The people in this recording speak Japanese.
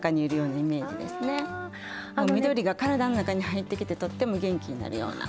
もう緑が体の中に入ってきてとっても元気になるような。